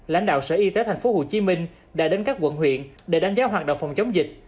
lãnh đạo sở y tế tp hcm đã đến các quận huyện để đánh giá hoạt động phòng chống dịch